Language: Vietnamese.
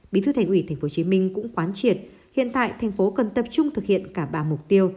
bí thư tp hcm cũng khoán triệt hiện tại tp hcm cần tập trung thực hiện cả ba mục tiêu